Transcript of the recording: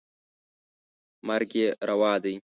مرګ یې روا دی.